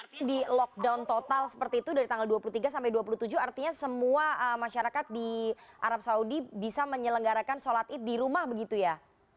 apakah di lockdown total seperti itu dari tanggal dua puluh tiga sampai dua puluh tujuh artinya semua masyarakat di arab saudi bisa menyelenggarakan sholat id di rumah begitu ya